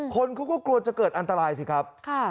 คนเขาก็กลัวจะเกิดอันตรายสิครับ